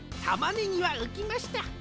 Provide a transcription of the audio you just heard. たまねぎはうきました。